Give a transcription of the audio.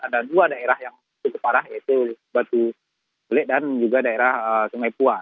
ada dua daerah yang cukup parah yaitu batu kulit dan juga daerah sungai pua